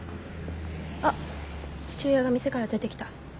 あっ父親が店から出てきた。